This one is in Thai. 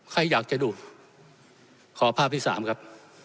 ใครอยากจะดูขอภาพที่สามครับ